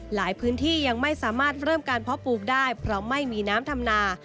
พื้นที่ยังไม่สามารถเริ่มการเพาะปลูกได้เพราะไม่มีน้ำทำนา